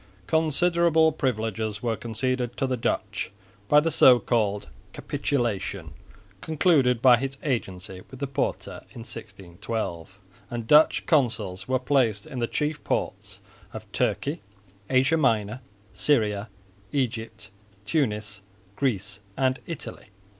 Considerable privileges were conceded to the Dutch by the so called "capitulation" concluded by his agency with the Porte in 1612; and Dutch consuls were placed in the chief ports of Turkey, Asia Minor, Syria, Egypt, Tunis, Greece and Italy.